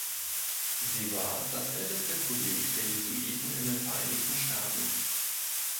Sie war das älteste Kolleg der Jesuiten in den Vereinigten Staaten.